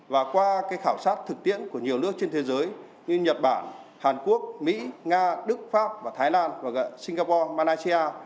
và qua khảo sát thực tiễn của nhiều nước trên thế giới như nhật bản hàn quốc mỹ nga đức pháp và thái lan và singapore malaysia